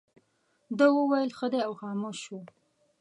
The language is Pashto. ده وویل ښه دی او خاموش شو.